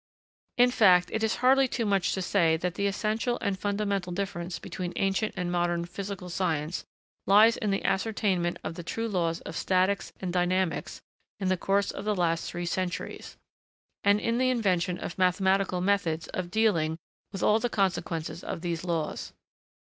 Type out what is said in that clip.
In fact, it is hardly too much to say that the essential and fundamental difference between ancient and modern physical science lies in the ascertainment of the true laws of statics and dynamics in the course of the last three centuries; and in the invention of mathematical methods of dealing with all the consequences of these laws.